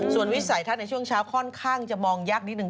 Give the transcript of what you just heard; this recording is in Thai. ส่วนวิสัยทัศน์ในช่วงเช้าค่อนข้างจะมองยากนิดนึ